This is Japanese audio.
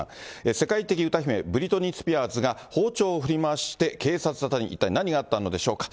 世界的歌姫、ブリトニー・スピアーズが、包丁を振り回して警察沙汰に、一体何があったのでしょうか。